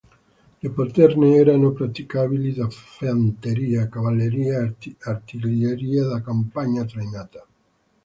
Le poterne erano praticabili da fanteria, cavalleria e artiglieria da campagna trainata.